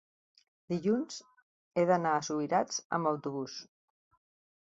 dilluns he d'anar a Subirats amb autobús.